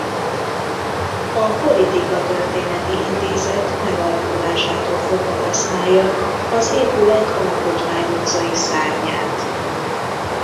A Politikatörténeti Intézet megalakulásától fogva használja az épület Alkotmány utcai szárnyát.